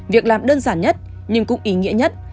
việc làm đơn giản nhất nhưng cũng ý nghĩa nhất